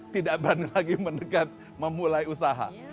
tidak berani lagi mendekat memulai usaha